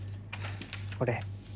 これ。